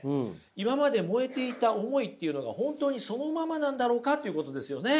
今まで燃えていた思いっていうのが本当にそのままなんだろうかということですよね。